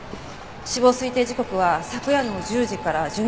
死亡推定時刻は昨夜の１０時から１２時の間。